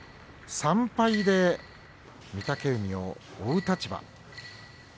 ３敗で御嶽海を追う立場。